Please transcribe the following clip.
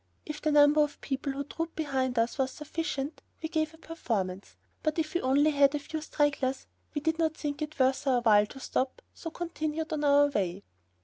If the number of people who trooped behind us was sufficient, we gave a performance, but if we had only a few stragglers, we did not think it worth our while to stop, so continued on our way.